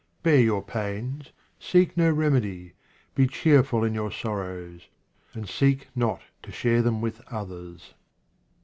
Bear your pains, seek no remedy, be cheerful in your sorrows, and seek not to share them with others.